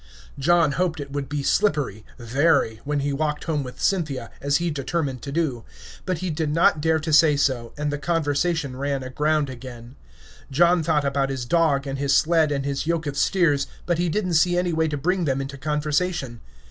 John hoped it would be slippery very when he walked home with Cynthia, as he determined to do, but he did not dare to say so, and the conversation ran aground again. John thought about his dog and his sled and his yoke of steers, but he didn't see any way to bring them into conversation.